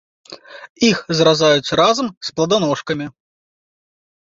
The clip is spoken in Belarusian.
Іх зразаюць разам з пладаножкамі.